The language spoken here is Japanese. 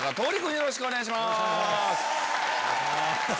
よろしくお願いします。